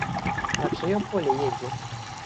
На чыё поле едзе?